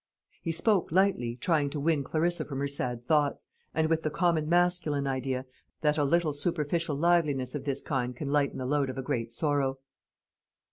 He spoke lightly, trying to win Clarissa from her sad thoughts, and with the common masculine idea, that a little superficial liveliness of this kind can lighten the load of a great sorrow.